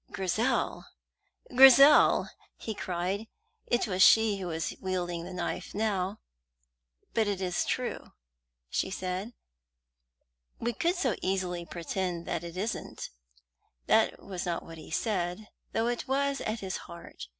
"Grizel, Grizel!" he cried. It was she who was wielding the knife now. "But it is true," she said. "We could so easily pretend that it isn't." That was not what he said, though it was at his heart.